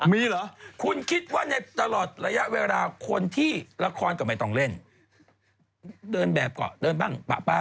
มีหรอคุณคิดว่าในตลอดระยะเวลาคนที่เรละครก็ไม่ต้องเล่น